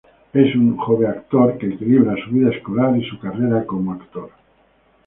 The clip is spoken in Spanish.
Es un joven actor que equilibra su vida escolar y su carrera como actor.